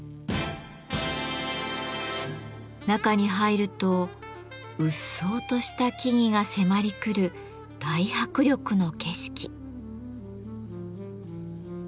中に入るとうっそうとした木々が迫り来る大迫力の景色。